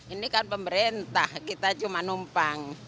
ini kan pemerintah kita cuma numpang